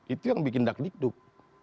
itu yang bikin dakdikduk